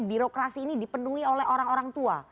birokrasi ini dipenuhi oleh orang orang tua